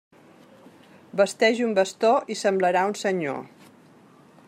Vesteix un bastó i semblarà un senyor.